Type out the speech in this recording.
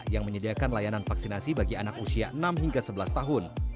yang menyediakan layanan vaksinasi bagi anak usia enam hingga sebelas tahun